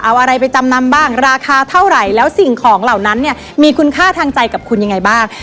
เอาอะไรไปจำนำบ้างราคาเท่าไหร่แล้วสิ่งของเหล่านั้นเนี่ยมีคุณค่าทางใจกับคุณยังไงบ้าง